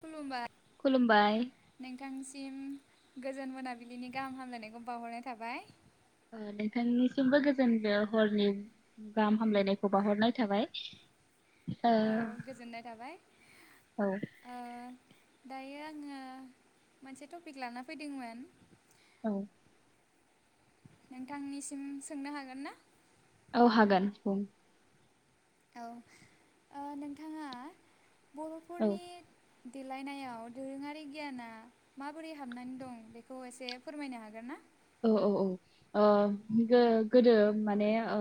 खुलुमबाय खुलुमबाय नोंथांनिसिम गोजोन मोनाबिलिनि गाहाम हामलायनायखौ बावहरनाय थाबाय। ओ नोंथांनिसिमबो गोजोन ओ हरनि गाहाम हामलायनायखौ बाउहरनाय थाबाय। ओ औ गोजोननाय थाबाय औ ओ दायो आङो मोनसे टपिक लाना फैदोंमोन। औ नोंथांनिसिम सोंनो हागोन ना? औ हागोन बुं औ ओ नोंथाङा औ बर'फोरनि देलायनायाव दोरोङारि गियाना माबोरै हाबनानै दं बेखौ एसे फोरमायनो हागोन ना? औ औ औ ओ गो-गोदो माने ओ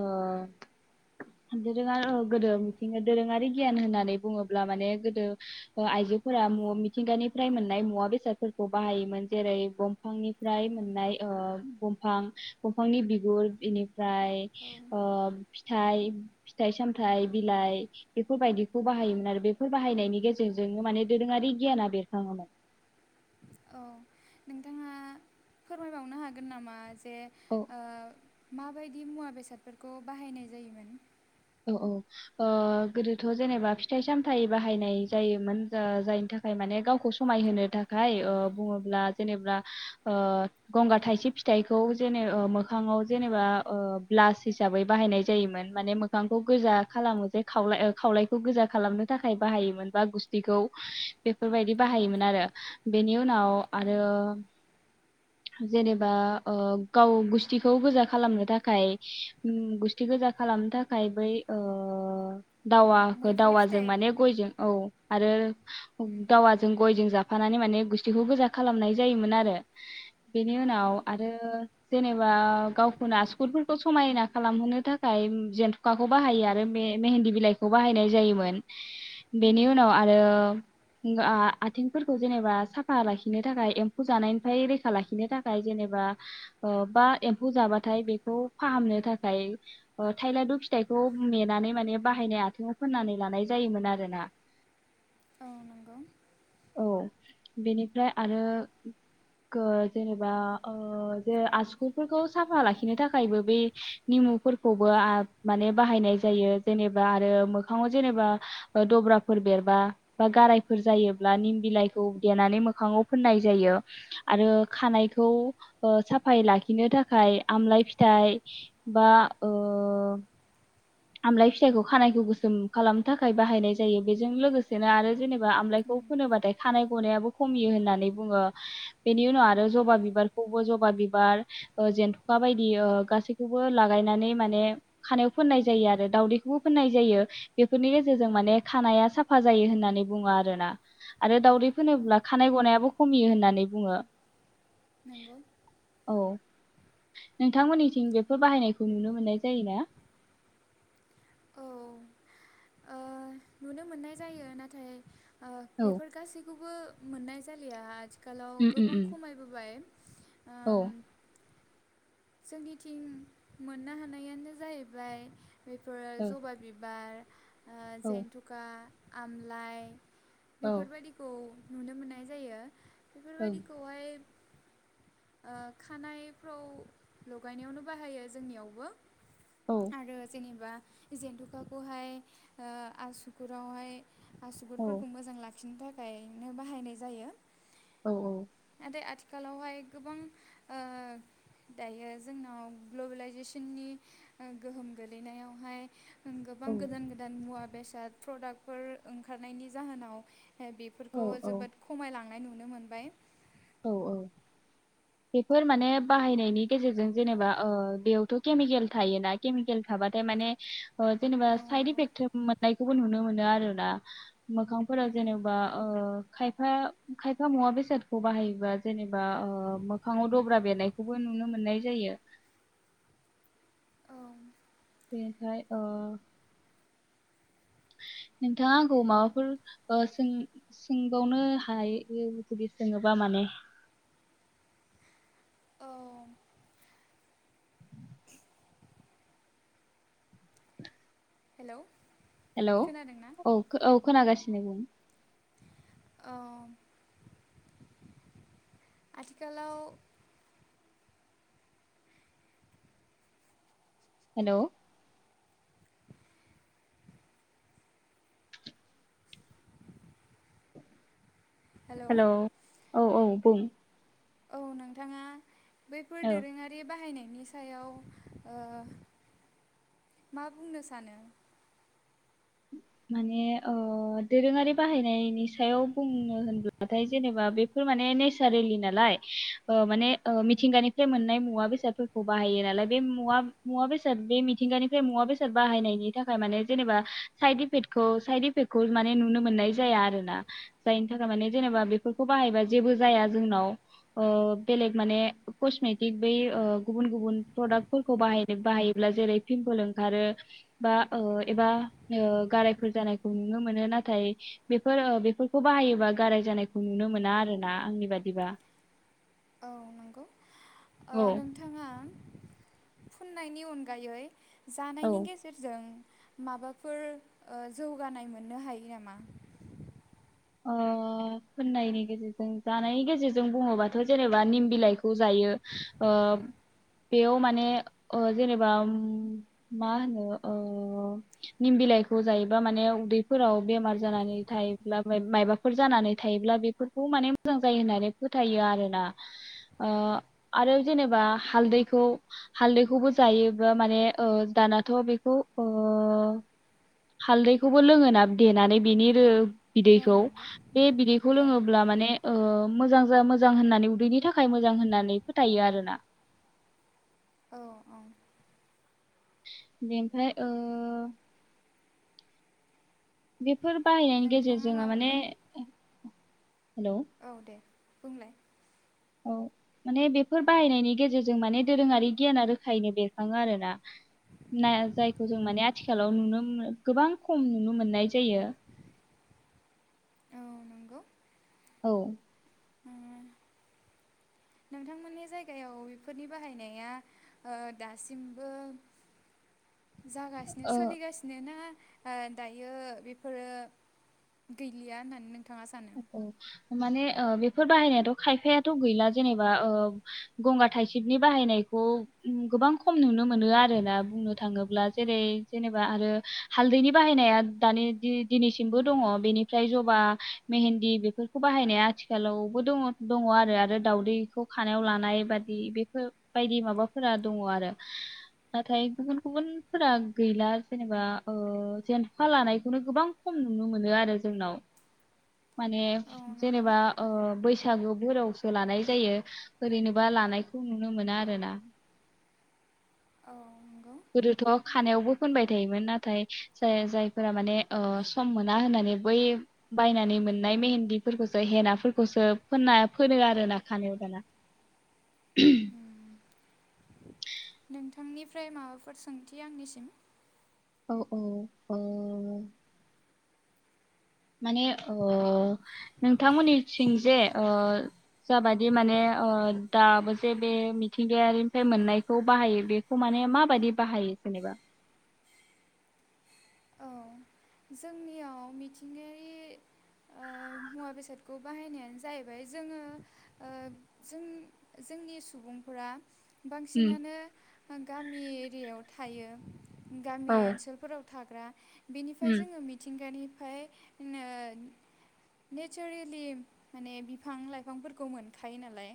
दोरोङा गोदो मिथिंगा दोरोङारि गियान होननानै बुङोब्ला माने गोदो ओ आइजोफोरा मु मिथिंगानिफ्राय मोननाय मुवा बेसादफोरखौ बाहायोमोन जेरै बंफांनिफ्राय मोननाय ओ बंफां बंफांनि बिगुर इनिफ्राय औ ओ फिथाइ फिथाइ सामथाइ बिलाइ बेफोरबायदिखौ बाहायोमोन आरो बेफोर बाहायनायनि गेजेरजोंनो माने दोरोङारि गियाना बेरखाङोमोन। औ नोंथाङा फोरमायबावनो हागोन नामा? बे औ ओ माबाय दि मुवा बेसादफोरखौ बाहायनाय जायोमोन। औ ओ गोदोथ' जेनेबा फिथाइ सामथाइ बाहायनाय जायोमोन। जा जायनि थाखाय माने गावखौ समायहोनो थाखाय ओ बुङोब्ला जेनेबा ओ गंगार थाइसिब फिथाइखौ जेने ओ मोखाङाव जेनेबा ओ ब्लास हिसाबै बाहायनाय जायोमोन माने मोख खांखौ गोजा खालामो जे खावलाय खावलायखौ गोजा खालामनो थाखाय बाहायोमोन बा गुस्थिखौ बेफोरबायदि औ बाहायोमोन आरो। बेनि उनाव आरो जेनेबा ओ गाव गुस्थिखौ गोजा खालामनो थाखाय उम गुस्थि गोजा खालामनो थाखाय फायबै ओ औ दावाखो मैफ्राय दावाजों फिथाइ माने गयजों औ आरो दावाजों गयजों जाफ फानानै माने गुस्थिखौ गोजा खालामनाय जायोमोन आरो। बेनि औ उनाव आरो जेनेबा गावखौनो आसगुरफोरखौ समायना खालाम होनो थाखाय जेनथ खुखाखौ बाहायो आरोे मे-मेहेनदि बिलाइखौ बाहायनाय जायोमोन। बेनि उनाव आरो। उम आ-आथिंफोरखौ जेनेबा साफा लाखिनो थाखाय एम्फौ जानायनिफ्राय रैखा लाखिनो थाखाय जेनेबा बा ओ-बा एम्फौ जाबाथाय बेखौ फाहामनो थाखाय ओ थायलाद' फि फिथाइखौ मेनानै माने बाहायनाय आथिङाव फोननानै लानाय जायोमोन आरोना। औ नंगौ। औ बेनिफ्राय आरो गो- जेनेबा ओ- जे आसुगुफोरखौ साफा लाखिनो थाखायबो बे निमुफोरखौबो आ- माने बाहायनाय जायो जेनेबा आरो मोखाङाव जेनेबा ओ दब्राफोर बेरबा बा गारायफोर जायोब्ला निम बिलाइखौ देनानै मोखाङाव फोननाय जायो आरो खानायखौ ओ- साफायै लाखिनो थाखाय आमलाय फिथाइ बा ओ- आमलाय फिथाइखौ खानायखौ गोसोम खालामनो थाखाय बाहायनाय जायो बेजों लोगोसेनो आरो जेने बा आमलाइखौ फोनोबाथाय खानाय। गनायाबो खमियो होननानै बुङो बेनि उनाव आरो जबा बिबारखौबो जबा बिबार ओ जेनथुखा बायदि ओ- गासैखौबो लागायनानै माने। खानायाव फोननाय जायो आरो दावदैखौबो फोननाय जायो बेफोरनि गेजेरजों माने खानाया साफा जायो होननानै बुङो आरोना आरो। दाउदै औ फोनोब्ला खानाय गनायाबो। खमियो होननानै बुङो। नंगौ। औ नोंथांमोननिथिं बेफोर बाहायनायखौ नुनो मोननाय जायोना? औ औ। नुनो मोननाय जायो नाथाय। ओ- औ बेफोर गासै। खौबो मोननाय जालिया आथि खालाव उम उम गोबां उम खमायबोबाय। औ आओम जोंनिथिं मोननो हानायानो जाहैबाय। बेफोरो जबा बिबार। ओ- जेनथुका। आमलाइ। औ बेफोर बायदिखौ। नुनो मोननाय जायो। बेफोर औ ओं बायदिखौहाय। ओ- खानायफ्राव। लगायनायावनो बाहायो जोंनियावबो। औ आरो जेनेबा। जेनथुखाखौहाय ओ-आसुगुरावहाय आसुगुरफोरखौ मोजां लाखिनो थाख थाखायनो बाहायनाय जायो। औ [unintelligible] आथिखालावहाय गोबां ओ दायो जोंनाव ग्लबेलाइजेसननि गोहोम गोलैनायावहाय औ गोबां गोदान गोदान मुवा बेसाद प्रदाक्टफोर ओंखारनायनि जाहोनाव औ बेफोरखौ औ जोबोद खमायला नाय नुनो मोनबाय औ औ बेफोर माने बाहायनायनि गेजेरजों जेनेबा ओ बेयावथ' केमिकेल थायोना केमिकेल थाबाथाय माने ओ जेनेबा औ साइद नंगौ इफेक्ट मोननायखौबो नुनो मोनो [unintelligible] आरोना मोखांफोराव नंगौ जेनेबा ओ खायफा खायफा मुवा बेसादखौ बाहायोबा जेनेबा ओ मो खांआव दब्रा बेरनायखौबो नुनो मोननाय जायो औ बेनिफाय ओ नोंथाङा आंखौ माबाफोर ओ सों सोंबावनो हायो जुदि सोङोबा माने औ हेलौ हेलौ खोनादोंना औ खोना गासिनि बुं औ आथिखालाव हेलौ हेलौ औ औ बुं औ नोंथाङा बैफोर औ दोरोङारि बाहायनायनि सायाव ओ मा बुंनो सानो माने ओ दोरोङारि बाहायनायनि सायाव बुंनो होनब्लाथाय जेनेबा बेफोर माने नेसारेलि नालाय ओ माने ओ मिथिंगानिफ्राय मोननाय मुवा बेसादफोरखौ बाहायो नालाय बे मुवा मुवा बेसाद बे मिथिंगानिफ्राय मुवा बेसाद बाहायनायनि थाखाय माने जेनेबा साइद इफेक्टखौ साइद इफेक्टखौ माने नुनो मोननाय जाया आरोना जायनि थाखाय माने जेनेबा बेफोरखौ बाहायबा जेबो जाया जोंनाव ओ बेलेग माने कस्मेटिक बै गुबुन गुबुन प्रडाक्टफोरखौ बाहाय बाहायोब्ला जेरै पिमपोल ओंखारो बा ओ एबा ओ गारायफोर जानायखौ नुनो मोनो नाथाय बेफोर‌ ओ बेफोरखौ बाहायोबा गाराय जानायखौ नुनो मोना आर ना आंनि बादिबा। औ नंगौ ओ औ नोंथाङा फुननायनि अनगायै औ जानायनि गेजेरजों माबाफोर ओ जौगानाय मोननो हायो नामा ओ होननायनि गेजेरजों जानायनि गेजेरजों बुङोबाथ' जेनेबा निम बिलाइखौ जायो ओ बेयाव माने ओ जेनेबा मा होनो ओ निम बिलाइखौ जायोबा माने उदैफोराव बेमार जानानै थायोब्ला मायबाफोर जानानै थायोब्ला बेफोरखौ माने मोजां जायो होननानै फोथायो आरोना ओ आरो जेनेबा हालदैखौ हालदैखौबो जायोब्ला माने ओ दानाथ' बेखौ ओ हालदैखौबो लोङोना देनानै बिनि रो औ बिदैखौ नंगौ। बे बिदैखौ औ लोङोब्ला माने ओ मोजां जा मोजां होननानै उदैनि थाखाय मोजां होननानै फोथायो आरोना औ औ। बेनिफ्राय ओह। बिफ बेफोर बाहायनायनि नोंथाङा गेजेरजों आ माने माबाफोर ए। औ दे। बुंलाय। औ माने बेफोर बाहायनायनि गेजेरजों माने दोरोङारि गियाना रोखायैनो बेरखाङो आरोना नाय जायखौ जों माने आथिखालाव नुनो मोन गोबां खम नुनो मोननाय जायो। औ नंगौ औ। नोंथांमोननि जायगायाव बेफोरनि बाहायनाया ओह दासिमबो जागासिनो ओ सोलिगासिनो ना ओह दायो बेफोरो गैलिया होननानै नोंथ थाङा सानो औ माने ओ बेफोर बाहायनायाथ खायफायाथ गैला जेनेबा ओ गंगार थाइसेबनि बाहायनायखौ गोबां खम नुनो मोन नो आरोना बुंनोथ थाङोब्ला जेरै जेनेबा आरो हालदैनि बाहायनाया दानि दि- दिनैसिमबो दङ बेनिफ्राय जबा। मेहेन्दि बेफोरखौ बाहायनाया आथिखालावबो दङ दङ आरो आरो दावदैखौ खानायाव लानाय बादि बेफोरबायायदि माबाफोरा दङ आरो नाथाय गुबुन गुबुनफोरा गैला जेनेबा ओ जेनथखा लानायखौनो गोबां खम नुनो मोनो आरो जोंनाव। माने औ नंगौ। जेनेबा ओ बैस बैसागो बोरावसो लानाय जायो ओरैनोबा लानायखौ नुनो मोना आरो ना। औ नोंग गोदोथ खानायावबो फोनबाय थायोमोन नाथाय जाया जायफोरा माने ओ सम मोना होननानै बै बायनानै मोननाय मेहेन्दिफोरखौसो हेनाफोरखौसो फोनना फोनो आरो ना खानायाव दाना। उम नोंथांनिफ्राय माबाफोर सोंथि आंनिसिम। औ औ ओ माने ओ नोंथांमोननिथिं जे जाबादि माने ओ दाबो जे बे मिथिंगायारिनिफ्राय मोननायखौ बाहायो बेखौ माने माबादि बाहायो जेनेबा? औ जोंनियाव मिथिंगायारि ओ मुवा बेसादखौ बाहायनायानो जाहैबाय जोंङो ओ जों जोंनि सुबुंफोरा उम बांसिनानो गामि एरियाव थायो। गामि औ ओनसोलफोराव थाग्रा बिनिफ्राय उम जोंङो मिथिंगानि ओमफाय ओ नेचारेलि माने बिफां लाइफांफोरखौ मोनखायो नालाय।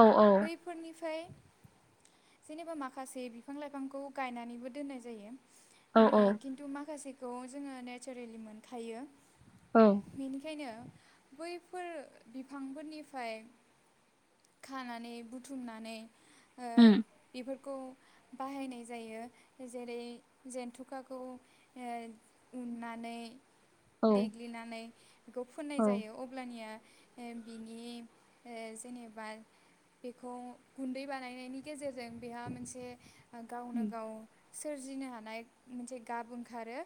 औ औ बैफोरनिफ ओमफ्राय जेनेबा माखासे बिफां लाइफांखौ गायनानैबो दोननाय जायो। औ औ [unintelligible] खिन्थु मा माखासेखौ जोंङो नेचारेलि मोनखायो। औ बेनिखायनो। बैफोर बिफांफोरनिफ्राय खानानै बुथुमनानै। ओ उम बेफोर खौ बाहायनाय जायो जेरै जेनथुखाखौ। [unintelligible] उननानै। औ देग्लिनानै। बेखौ फुननाय औ जायो अब्लानिया। ओ बिनि ओ जेनेबा बेखौ गुन्दै बानायनायनि गेजेरजों बेहा मोनसे गावनो उम गाव। सोरजिनो हानाय मोनसे गाब ओं खारो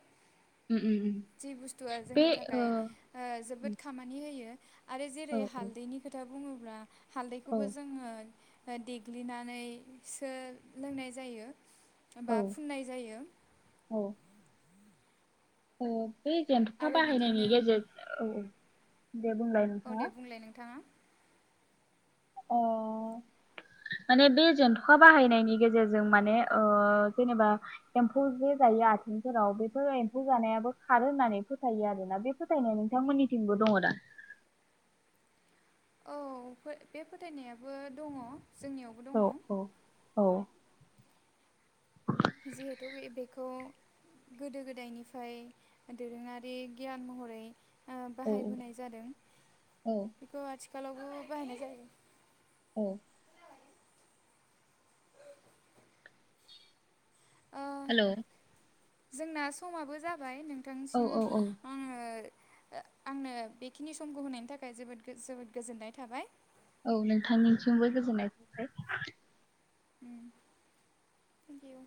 उम उम जि बुस्थुआ बे जोंनि ओ थाखाय ओ जोबोद खामानि होयो। आरो जेरै औ हालदैनि खोथा। बुङोब्ला। औ हालदैखौबो जोङो। देग्लिनानै सो लोंनाय जायो। बा औ फुननाय जायो। औ ओ बे जन्थ'खा आरो बिदिनो बाहायनायनि गेजेर औ औ दे बुंलाय औ नोंथाङा। दे बुंलाय नोंथाङा अ माने बे जेनथ'खा बाहायनायनि गेजेरजों माने ओ जेनेबा एम्फौ जे जायो आथिंफोराव बेफोर एम्फौ जानायाबो खारो होननानै फोथायो आरोना बे फोथायनाया नोंथांमोननिथिंबो दङ' दा। औ फो बे फोथायनायाबो दङ'। जोंनियावबो दङ औ औ औ। जिहेथु बे-बेखौ गोदो गोदायनिफ्राय दोरोङारि गियान महरै। ओ औ बाहायबोनाय जादों औ बेखौ आथिखा खालावबो बाहायनाय जायो। औ। ओ हेलौ। जोंना समाबो जाब बाय नोंथांसिम औ औ ओ आंनो बेखिनि समखौ होनायनि थाखाय जोबोद जोबोद गोजोननाय थाबाय। औ नोंथांनिसिमबो गोजोननाय थाबाय। उम थेंक इउ।